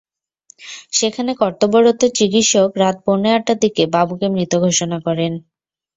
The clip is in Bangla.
সেখানে কর্তব্যরত চিকিত্সক রাত পৌনে আটটার দিকে বাবুকে মৃত ঘোষণা করেন।